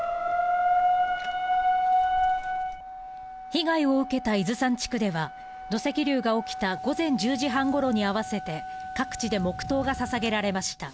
被害を受けた伊豆山地区では、土石流が起きた午前１０時半ごろに合わせて、各地で黙とうがささげられました。